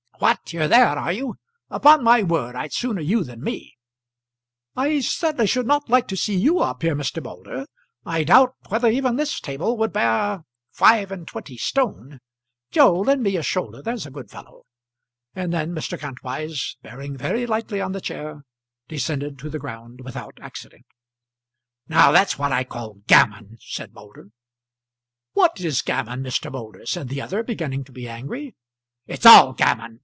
"What; you're there, are you? Upon my word I'd sooner you than me." "I certainly should not like to see you up here, Mr. Moulder. I doubt whether even this table would bear five and twenty stone. Joe, lend me your shoulder, there's a good fellow." And then Mr. Kantwise, bearing very lightly on the chair, descended to the ground without accident. "Now, that's what I call gammon," said Moulder. "What is gammon, Mr. Moulder?" said the other, beginning to be angry. "It's all gammon.